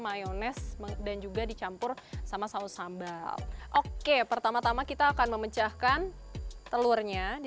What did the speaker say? mayonese dan juga dicampur sama saus sambal oke pertama tama kita akan memecahkan telurnya di